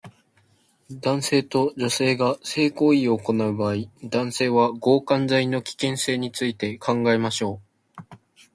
男性と女性が性行為を行う場合、男性は強姦罪の危険性について考えましょう